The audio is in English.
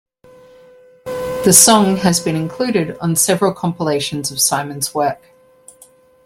The song has been included on several compilations of Simon's work.